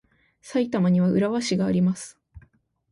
埼玉には浦和市があります。